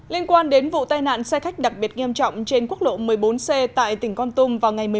liên quan đến vụ tai nạn xe khách đặc biệt nghiêm trọng trên quốc lộ một mươi bốn c tại tỉnh con tum vào ngày